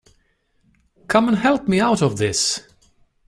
Come and help me out of this!’